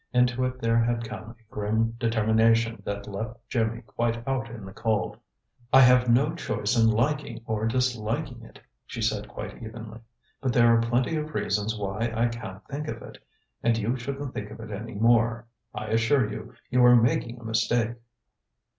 Into it there had come a grim determination that left Jimmy quite out in the cold. "I have no choice in liking or disliking it," she said quite evenly. "But there are plenty of reasons why I can't think of it. And you shouldn't think of it any more. I assure you, you are making a mistake."